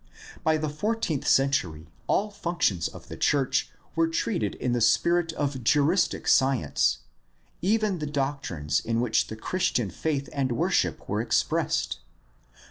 By the fourteenth century all functions of the church were treated in the spirit of juristic science, even the doctrines in which the Christian faith and worship were expressed.